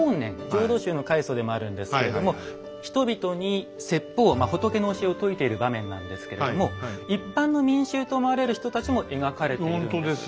浄土宗の開祖でもあるんですけれども人々に説法仏の教えを説いている場面なんですけれども一般の民衆と思われる人たちも描かれているんです。